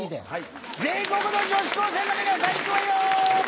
全国の女子高生の皆さんいくわよ！